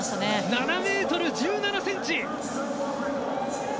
７ｍ１７ｃｍ！